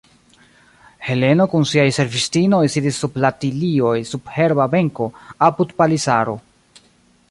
Heleno kun siaj servistinoj sidis sub la tilioj sur herba benko, apud palisaro.